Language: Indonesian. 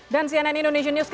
dan cnn indonesia news